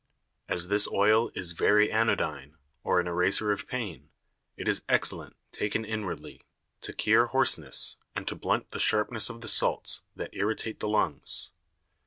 As this Oil is very anodyne, or an Easer of Pain, it is excellent, taken inwardly, to cure Hoarseness, and to blunt the Sharpness of the Salts that irritate the Lungs.